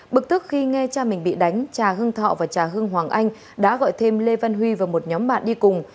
bực tức khi nghe cha mình bị đánh cha hưng thọ và cha hưng hoàng anh đã gọi thêm lê văn huy và một nhóm bạn đi cùng